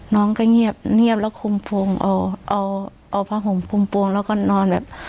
น้องก็เงียบเงียบแล้วคุมพวงเอาเอาผ้าห่มคุมโปรงแล้วก็นอนแบบ